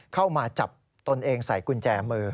เข้ามาจับตนเองใส่กุญแจมือ